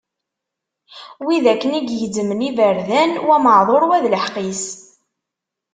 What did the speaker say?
Wid akken i gezzmen iberdan, wa meɛdur, wa d lḥeqq-is.